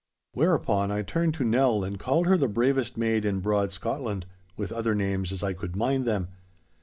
Whereupon I turned to Nell and called her the bravest maid in broad Scotland, with other names as I could mind them.